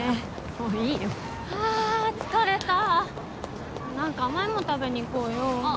もういいよはあ疲れた何か甘いもん食べに行こうよあっ